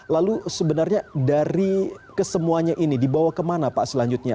lalu sebenarnya dari kesemuanya ini dibawa kemana pak selanjutnya